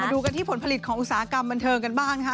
ดูกันที่ผลผลิตของอุตสาหกรรมบันเทิงกันบ้างค่ะ